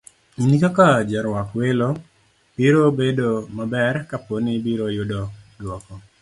In kaka jarwak welo, biro bedo maber kapo ni ibiro yudo duoko